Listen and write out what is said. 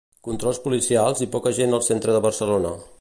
Controls policials i poca gent al centre de Barcelona.